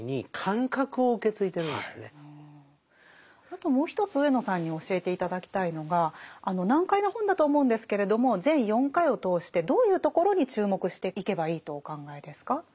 あともう一つ上野さんに教えて頂きたいのが難解な本だと思うんですけれども全４回を通してどういうところに注目していけばいいとお考えですか？